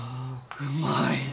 うまい！